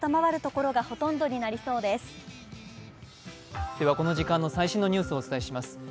この時間の最新のニュースをお伝えします。